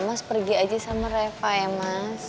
mas pergi aja sama reva ya mas